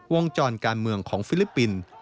วงจรการเมืองของฟิลิปปินส์